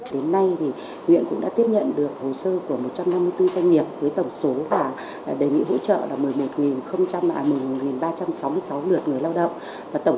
đến nay huyện cũng đã tiếp nhận được hồ sơ của một trăm năm mươi bốn doanh nghiệp với tổng số và đề nghị hỗ trợ là một mươi một ba trăm sáu mươi sáu lượt người lao động